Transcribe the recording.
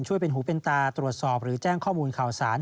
หูเป็นตาตรวจสอบหรือแจ้งข้อมูลข่าวสาร